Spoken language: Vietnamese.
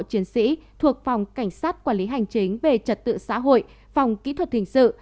chiến sĩ thuộc phòng cảnh sát quản lý hành chính về trật tự xã hội phòng kỹ thuật hình sự